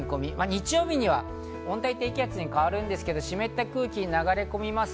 日曜日には温帯低気圧に変わるんですけど、湿った空気が流れ込みます。